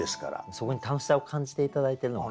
そこに楽しさを感じて頂いてるのがね。